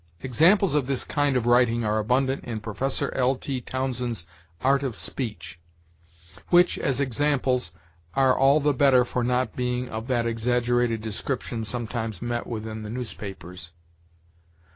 Examples of this kind of writing are abundant in Professor L. T. Townsend's "Art of Speech," which, as examples, are all the better for not being of that exaggerated description sometimes met within the newspapers.